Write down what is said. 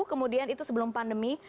kemudian itu sebelum pandemi